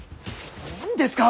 何ですか！